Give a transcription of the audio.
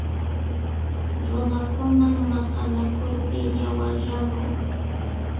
Runakuna maqanakuypi yawaryanku.